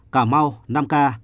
cà mau năm ca